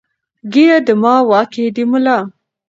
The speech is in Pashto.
ـ ږيره دما، واک يې د ملا.